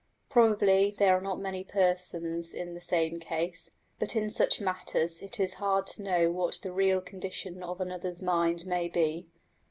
Probably there are not many persons in the same case; but in such matters it is hard to know what the real condition of another's mind may be.